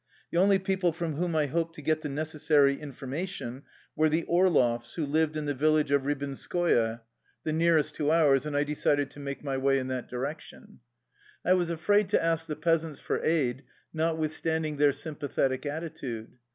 The only people from whom I hoped to get the necessary information were the Orloffs, who lived in the village of Ribinskoye, 113 THE LIFE STORY OF A RUSSIAN EXILE tbe nearest to ours, and I decided to make my way in that direction. I was afraid to ask the peasants for aid, notwithstanding their sympa thetic attitude.